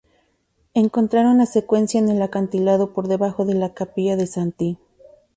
Encontraron la secuencia en el acantilado por debajo de la capilla de St.